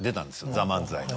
『ＴＨＥＭＡＮＺＡＩ』。